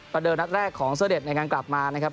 เดินนัดแรกของเสื้อเด็จในการกลับมานะครับ